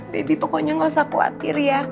baby pokoknya nggak usah khawatir ya